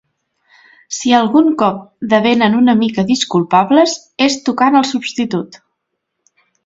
Si algun cop de venen una mica disculpables, és tocant al substitut.